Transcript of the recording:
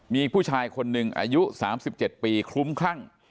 มีผู้ชายคนหนึ่งอายุ๓๗ปีคลุ้มคลั่ง